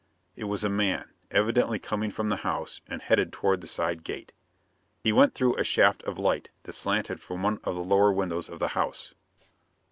It was a man, evidently coming from the house and headed toward the side gate. He went through a shaft of light that slanted from one of the lower windows of the house.